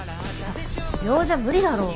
秒じゃ無理だろう。